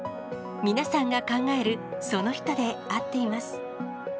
皆さんが考える、その人で合っています。